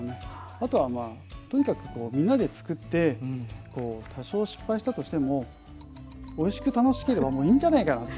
あとはまあとにかくみんなで作って多少失敗したとしてもおいしく楽しければもういいんじゃないかなと。